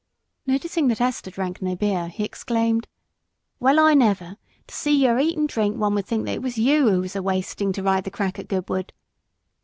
Noticing that Esther drank no beer, he exclaimed "Well, I never; to see yer eat and drink one would think that it was you who was a wasting to ride the crack at Goodwood."